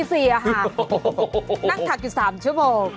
นั่งถักอยู่๓ชั่วโมง